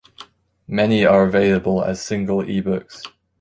Many are available as single ebooks.